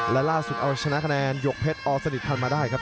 และล่าสุดเอาชนะคะแนนหยกเพชรอสนิทพันธ์มาได้ครับ